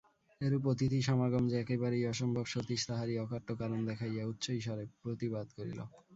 এরূপ অতিথিসমাগম যে একেবারেই অসম্ভব সতীশ তাহারই অকাট্য কারণ দেখাইয়া উচ্চৈঃস্বরে প্রতিবাদ করিল।